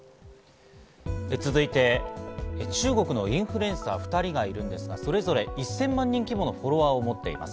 続いて中国のインフルエンサー２人がいるんですが、それぞれ１０００万人規模のフォローを持っています。